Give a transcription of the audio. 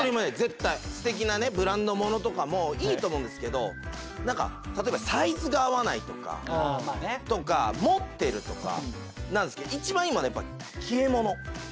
すてきなねブランド物とかもいいと思うんですけど何か例えばサイズが合わないとか持ってるとかなんですけど一番いいものはやっぱ消え物。